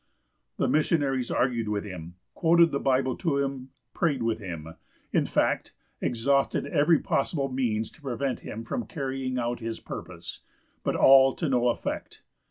The missionaries argued with him, quoted the Bible to him, prayed with him, in fact, exhausted every possible means to prevent him carrying out his purpose; but all to no effect.